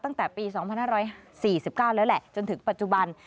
ตั้งแต่ปี๒๕๔๙แล้วแหละจนถึงปัจจุบัน